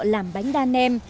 làm bánh đa nem